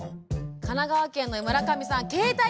神奈川県の村上さん